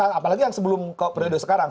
apalagi yang sebelum periode sekarang